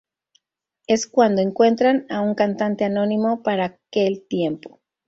Es cuando encuentran a un cantante anónimo para aquel tiempo.